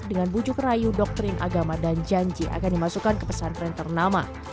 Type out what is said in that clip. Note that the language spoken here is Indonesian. dengan bujuk rayu doktrin agama dan janji akan dimasukkan ke pesantren ternama